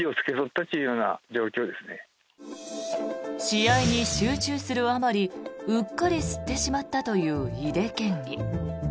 試合に集中するあまりうっかり吸ってしまったという井手県議。